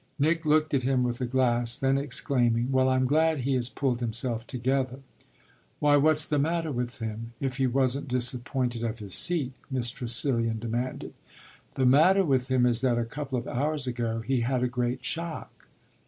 Nick looked at him with a glass, then exclaiming: "Well, I'm glad he has pulled himself together!" "Why what's the matter with him if he wasn't disappointed of his seat?" Miss Tressilian demanded. "The matter with him is that a couple of hours ago he had a great shock."